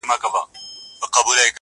بیا مي ګوم ظالم ارمان په کاڼو ولي,